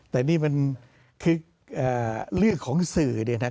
แต่นี่มันคือเรื่องของสื่อเนี่ยนะ